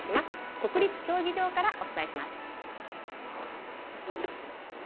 国立競技場からお伝えします。